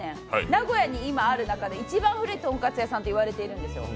名古屋に今ある中で一番古いとんかつ屋さんと言われているんですよ。